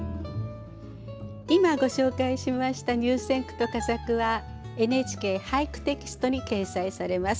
今ご紹介しました入選句と佳作は「ＮＨＫ俳句」テキストに掲載されます。